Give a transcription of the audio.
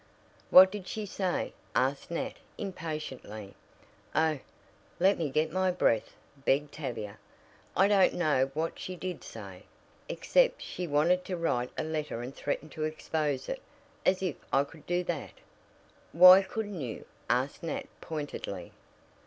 "What did she say?" asked Nat impatiently. "Oh, let me get my breath," begged Tavia. "I don't know what she did say, except she wanted me to write a letter and threaten to expose it as if I could do that!" "Why couldn't you?" asked Nat pointedly.